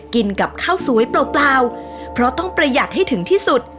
กินกับข้าวสวยเปล่าเพราะต้องประหยัดให้ถึงที่สุด